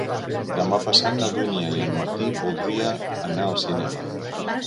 Demà passat na Dúnia i en Martí voldria anar al cinema.